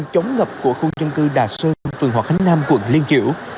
trong khu dân cư đà sơn phường hòa khánh nam quận liên triệu